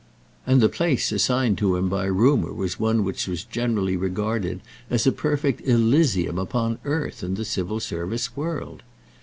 And the place assigned to him by rumour was one which was generally regarded as a perfect Elysium upon earth in the Civil Service world.